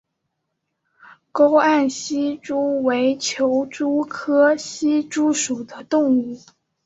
沟岸希蛛为球蛛科希蛛属的动物。